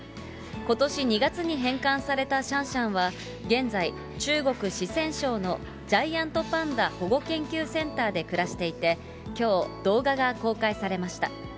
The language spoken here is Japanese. ことし２月に返還されたシャンシャンは、現在、中国・四川省のジャイアントパンダ保護研究センターで暮らしていて、きょう、動画が公開されました。